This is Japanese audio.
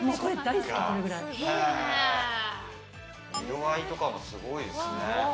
色合いとかもすごいですね。